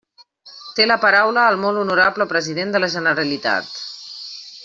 Té la paraula el molt honorable president de la Generalitat.